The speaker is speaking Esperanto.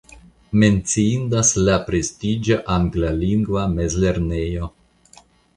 Menciindas la prestiĝa anglalingva mezlernejo.